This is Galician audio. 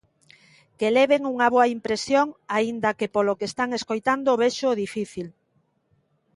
Que leven unha boa impresión, aínda que, polo que están escoitando, véxoo difícil.